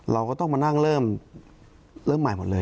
เราก็ต้องมานั่งเริ่มใหม่หมดเลย